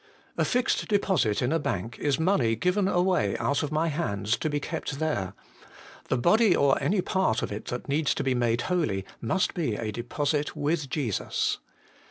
A fixed deposit in a bank is money given away out of my hands to be kept there : the body or any part of it that needs to be made holy must be a deposit with Jesus.